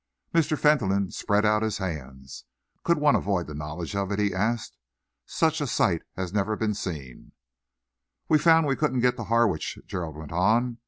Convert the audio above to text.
Mr. Fentolin spread out his hands. "Could one avoid the knowledge of it?" he asked. "Such a sight has never been seen." "We found we couldn't get to Harwich," Gerald went on.